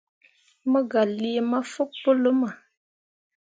Mo gah lii mafokki pu luma.